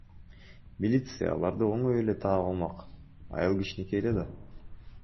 Милиция аларды оңой эле таап алмак, айыл кичинекей эле да.